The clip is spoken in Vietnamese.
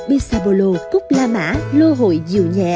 bisabolol cúc la mã lô hội dìu nhẹ